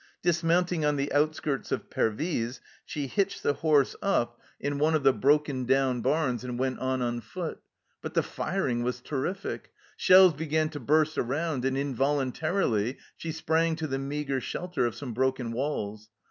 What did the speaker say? Dismounting on the outskirts of Pervyse, she hitched the horse up in one of the 154 THE CELLAR HOUSE OF PERVYSE broken down barns and went on on foot. But the firing was terrific. Shells began to burst around, and involuntarily she sprang to the meagre shelter of some broken walls.